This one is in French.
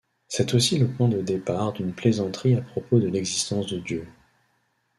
C'est aussi le point de départ d'une plaisanterie à propos de l'existence de Dieu.